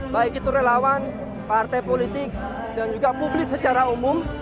baik itu relawan partai politik dan juga publik secara umum